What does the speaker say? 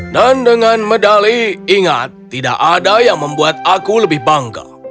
dan dengan medali ingat tidak ada yang membuat aku lebih bangga